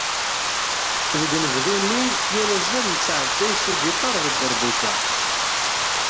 Deg unebdu-nni, yal azal nettɛedday s ugiṭar d dderbuka.